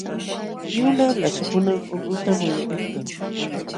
Yulaq lasukunam ulquta muyuliykan.